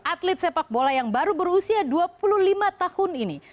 atlet sepak bola yang baru berusia dua puluh lima tahun ini